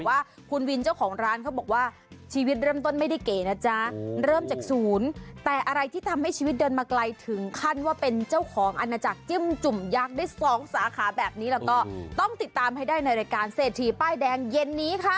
ว่าคุณวินเจ้าของร้านเขาบอกว่าชีวิตเริ่มต้นไม่ได้เก๋นะจ๊ะเริ่มจากศูนย์แต่อะไรที่ทำให้ชีวิตเดินมาไกลถึงขั้นว่าเป็นเจ้าของอาณาจักรจิ้มจุ่มยักษ์ได้สองสาขาแบบนี้เราก็ต้องติดตามให้ได้ในรายการเศรษฐีป้ายแดงเย็นนี้ค่ะ